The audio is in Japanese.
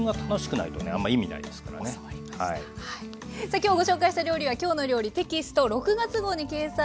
さあ今日ご紹介した料理は「きょうの料理」テキスト６月号に掲載しています。